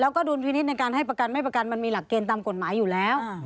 แล้วก็ดุลพินิษฐ์ในการให้ประกันไม่ประกันมันมีหลักเกณฑ์ตามกฎหมายอยู่แล้ว